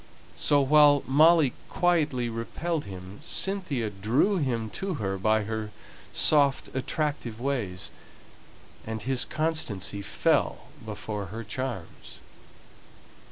So while Molly quietly repelled him, Cynthia drew him to her by her soft attractive ways; and his constancy fell before her charms.